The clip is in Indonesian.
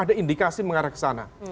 ada indikasi mengarah ke sana